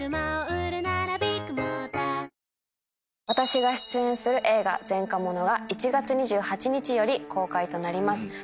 私が出演する映画『前科者』が１月２８日より公開となります。